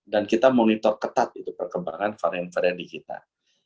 dan kita monitor ketat itu perkembangan varian varian digital